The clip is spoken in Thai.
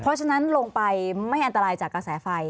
เพราะฉะนั้นลงไปไม่อันตรายจากกระแสไฟ